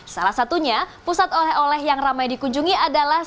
salah satunya pusat oleh oleh yang ramai dikunjungi adalah